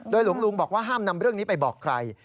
หลวงลุงบอกว่าห้ามนำเรื่องนี้ไปบอกใคร